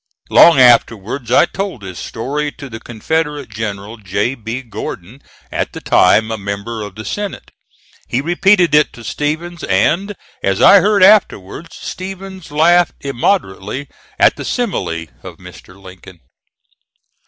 Long afterwards I told this story to the Confederate General J. B. Gordon, at the time a member of the Senate. He repeated it to Stephens, and, as I heard afterwards, Stephens laughed immoderately at the simile of Mr. Lincoln.